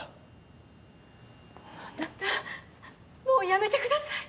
あなたもうやめてください。